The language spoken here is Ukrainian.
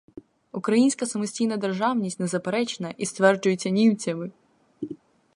Українська самостійна державність незаперечна і стверджується німцями.